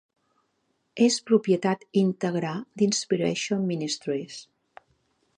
És propietat íntegra d'Inspiration Ministries.